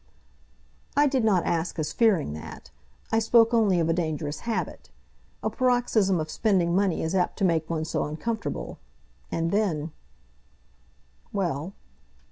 "I did not ask as fearing that. I spoke only of a dangerous habit. A paroxysm of spending money is apt to make one so uncomfortable. And then " "Well."